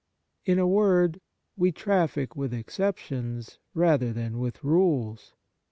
In a word, we traffic with exceptions rather than with rules.